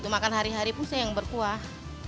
makan hari hari pun saya yang berkuah